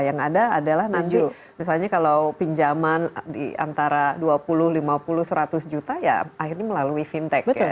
yang ada adalah nanti misalnya kalau pinjaman di antara dua puluh lima puluh seratus juta ya akhirnya melalui fintech